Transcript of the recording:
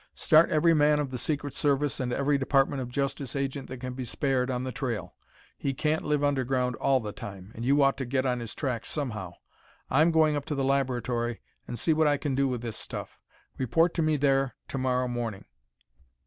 Start every man of the secret service and every Department of Justice agent that can be spared on the trail. He can't live underground all the time, and you ought to get on his tracks somehow. I'm going up to the laboratory and see what I can do with this stuff. Report to me there to morrow morning."